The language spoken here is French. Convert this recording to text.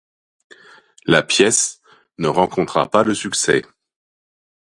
La pièce ne rencontra pas le succès.